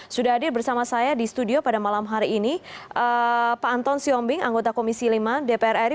sudah hadir bersama saya di studio pada malam hari ini pak anton siombing anggota komisi lima dpr ri